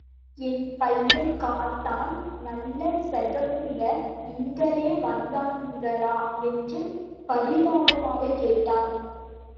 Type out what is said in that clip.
என் பையன் காத்தான்... நல்ல செகப்புங்க... இங்காலே வந்தானுங்களா? என்று பரிதாபமாகக் கேட்டான்.